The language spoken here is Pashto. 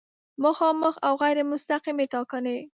مخامخ او غیر مستقیمې ټاکنې